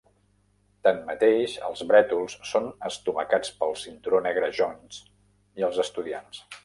Tanmateix, els brètols són estomacats pel cinturó negre Jones i els estudiants.